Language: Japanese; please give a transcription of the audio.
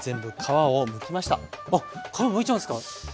あっ皮むいちゃうんですか？